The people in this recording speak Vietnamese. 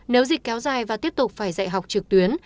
nếu dịch kéo dài và tiếp tục phải dạy học trực tuyến